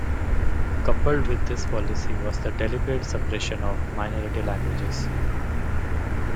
Coupled with this policy was the deliberate suppression of minority languages.